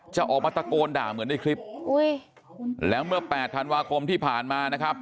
จะออกมาตะโกนด่าเหมือนในคลิปอุ้ยแล้วเมื่อแปดธันวาคมที่ผ่านมานะครับ